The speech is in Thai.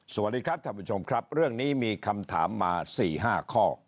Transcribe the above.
สวัสดีครับท่านผู้ชมครับเรื่องนี้มีคำถามมา๔๕ข้อ